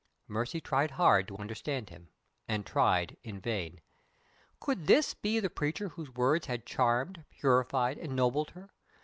Mercy tried hard to understand him, and tried in vain. Could this be the preacher whose words had charmed, purified, ennobled her?